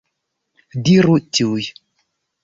Diru tuj!